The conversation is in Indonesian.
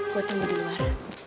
gue tunggu di luar